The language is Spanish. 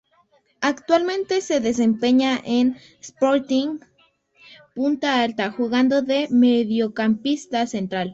Actualmente se desempeña en Sporting Punta Alta, jugando de mediocampista central.